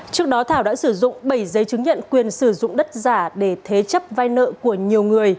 trước đó thảo đã sử dụng bảy giấy chứng nhận quyền sử dụng đất giả để thế chấp vay nợ của nhiều người